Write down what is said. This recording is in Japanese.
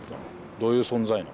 どういう存在なの？